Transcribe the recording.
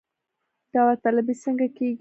داوطلبي څنګه کیږي؟